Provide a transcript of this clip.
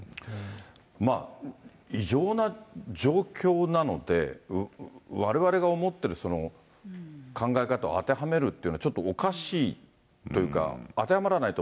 まあ、異常な状況なので、われわれが思ってる考え方を当てはめるっていうのは、ちょっとおかしいというか、当てはまらないと